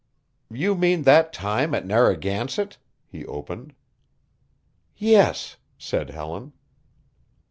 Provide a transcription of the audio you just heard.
"You mean that time at Narragansett?" he opened. "Yes," said Helen.